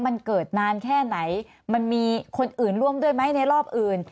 มันเกิดนานแค่ไหนมันมีคนอื่นร่วมด้วยไหมในรอบอื่น